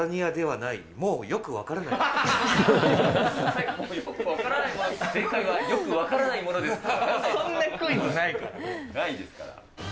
ないですから。